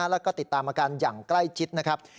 แล้วก็ติดตามอาการอย่างใกล้ชิดนะครับ